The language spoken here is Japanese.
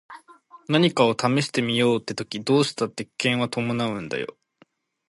何かを試してみようって時どうしたって危険は伴うんだよ。